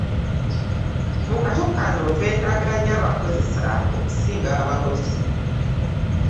Mu kaco kano twetaaga nnyo abakozesa okusinga abakozi.